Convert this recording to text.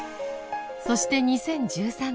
そして２０１３年